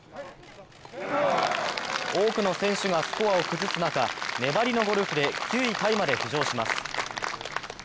多くの選手がスコアを崩す中、粘りのゴルフで９位タイまで浮上します。